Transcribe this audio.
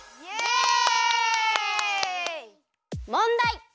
もんだい！